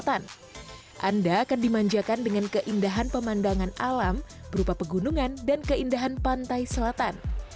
anda akan dimanjakan dengan keindahan pemandangan alam berupa pegunungan dan keindahan pantai selatan